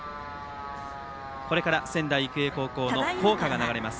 これから仙台育英高校の校歌が流れます。